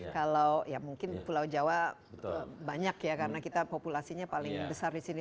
kalau ya mungkin pulau jawa banyak ya karena kita populasinya paling besar di sini